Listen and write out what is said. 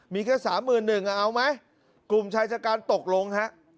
มีแค่สามหมื่นหนึ่งอ่ะเอาไหมกลุ่มชายชะการตกลงฮะ